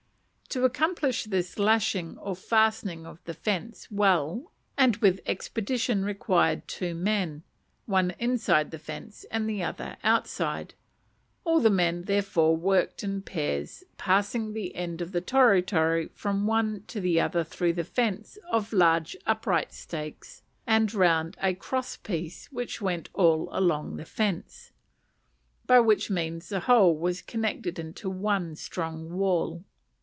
To accomplish this lashing or fastening of the fence well and with expedition required two men, one inside the fence and another outside; all the men therefore worked in pairs, passing the end of the toro toro from one to the other through the fence of large upright stakes and round a cross piece which went all along the fence, by which means the whole was connected into one strong wall.